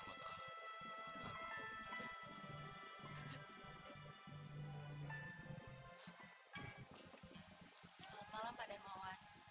selamat malam pak dan mawan